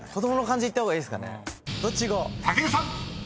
［武尊さん］